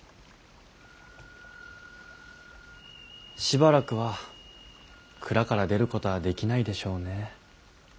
しばらくは蔵から出ることはできないでしょうねえ。